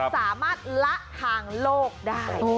สามารถละทางโลกได้